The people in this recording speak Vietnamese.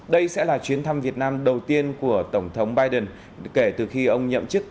đây sẽ là chuyến thăm việt nam đầu tiên của tổng thống biden kể từ khi ông nhậm chức